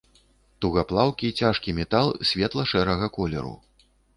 Тугаплаўкі цяжкі метал светла-шэрага колеру.